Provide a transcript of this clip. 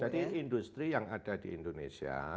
jadi industri yang ada di indonesia